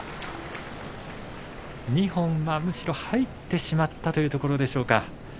二本入ってしまったというところでしょうか。